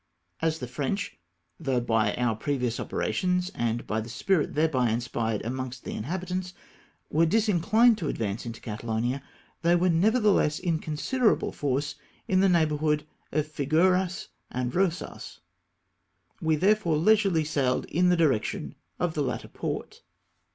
As the French, though by our previous operations, and by the spmt thereby inspired amongst the inliabitants, were disinchned to advance into Catalonia, they were nevertheless in considerable force in the neighbour hood of Figueras and Piosas, we therefore leisurely sailed in the du ection of the latter port.